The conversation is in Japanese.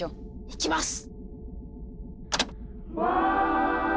いきます！